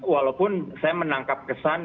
walaupun saya menangkap kesan